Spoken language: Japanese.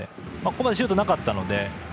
ここまでシュートがなかったので。